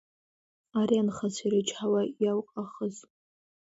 Ари анхацәа ирычҳауа иауҟахыз!